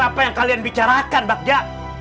apa yang kalian bicarakan bagja